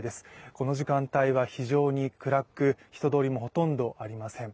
この時間帯は非常に暗く、人通りもほとんどありません。